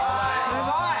すごい！